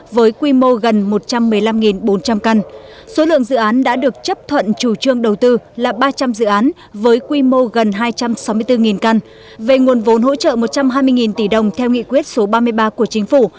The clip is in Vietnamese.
về nguồn vốn hỗ trợ một trăm hai mươi tỷ đồng theo nghị quyết số ba mươi ba của chính phủ